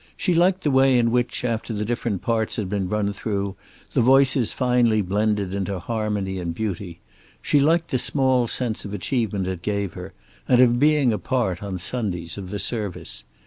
She liked the way in which, after the different parts had been run through, the voices finally blended into harmony and beauty. She liked the small sense of achievement it gave her, and of being a part, on Sundays, of the service.